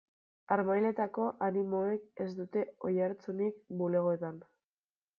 Harmailetako animoek ez dute oihartzunik bulegoetan.